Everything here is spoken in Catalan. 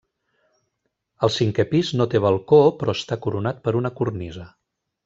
El cinquè pis no té balcó però està coronat per una cornisa.